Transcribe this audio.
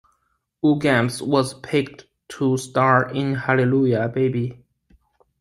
Uggams was picked to star in Hallelujah, Baby!